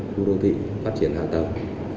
khu đô thị phát triển hạ tầng